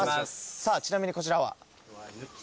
さあちなみにこちらは？